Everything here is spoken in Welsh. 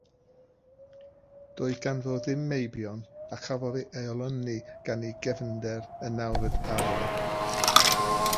Doedd ganddo ddim meibion a chafodd ei olynu gan ei gefnder, y nawfed Barwn.